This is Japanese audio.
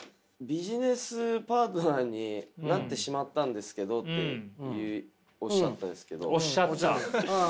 「ビジネスパートナーになってしまったんですけど」っていうおっしゃったんですけど。